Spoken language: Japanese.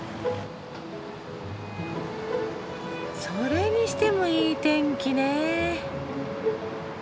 それにしてもいい天気ね。